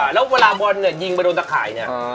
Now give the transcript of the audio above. แล้วเวลาบอลเนี่ยยิงไปโดนตะข่ายเนี่ย